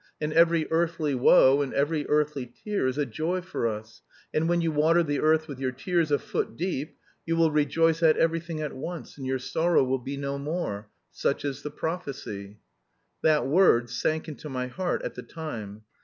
And every earthly woe and every earthly tear is a joy for us; and when you water the earth with your tears a foot deep, you will rejoice at everything at once, and your sorrow will be no more, such is the prophecy.' That word sank into my heart at the time.